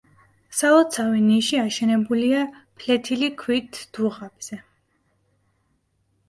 სალოცავი ნიში აშენებულია ფლეთილი ქვით, დუღაბზე.